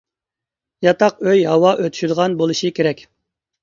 ياتاق ئۆي ھاۋا ئۆتۈشىدىغان بولۇشى كېرەك.